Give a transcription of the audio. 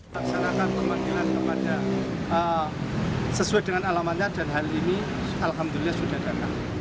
pemotor berkata sesuai dengan alamannya dan hal ini alhamdulillah sudah datang